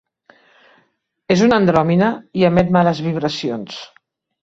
És una andròmina i emet males vibracions.